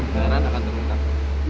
sebenarnya anak anakmu tak mau datang